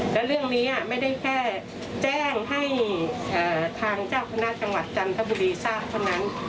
แล้วเรื่องนี้ไม่ได้แค่แจ้งให้ทางเจ้าคณะจังหวัดจันทบุรีทราบเท่านั้น